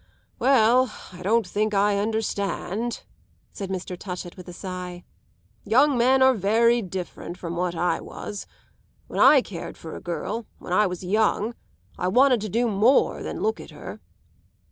"Well, I don't think I understand," said Mr. Touchett with a sigh. "Young men are very different from what I was. When I cared for a girl when I was young I wanted to do more than look at her."